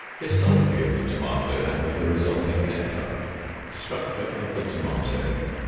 HISTOLOGY OF THE TOMATO AND OF THE RESULTING KETCHUP. STRUCTURE OF THE TOMATO.